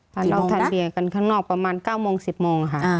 เราทานเบียร์กันข้างนอกประมาณ๙โมง๑๐โมงค่ะ